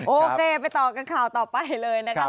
โอเคไปต่อกันข่าวต่อไปเลยนะครับ